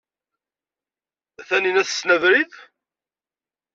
Taninna tessen abrid?